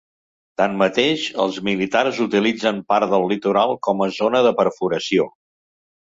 Tanmateix, els militars utilitzen part del litoral com a zona de perforació.